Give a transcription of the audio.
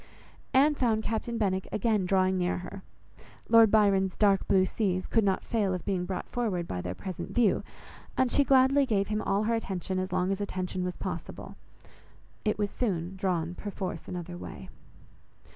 Anne found Captain Benwick again drawing near her. Lord Byron's "dark blue seas" could not fail of being brought forward by their present view, and she gladly gave him all her attention as long as attention was possible. It was soon drawn, perforce another way.